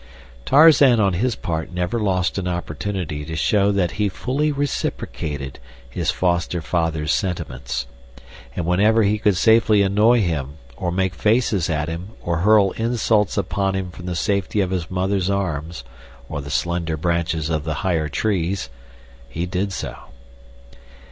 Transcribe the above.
Tarzan on his part never lost an opportunity to show that he fully reciprocated his foster father's sentiments, and whenever he could safely annoy him or make faces at him or hurl insults upon him from the safety of his mother's arms, or the slender branches of the higher trees, he did so.